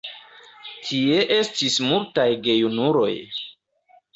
Tie estis multaj gejunuloj.